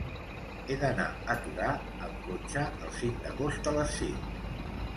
He d'anar a Torà amb cotxe el cinc d'agost a les cinc.